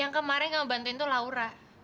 yang kemarin kamu bantuin tuh laura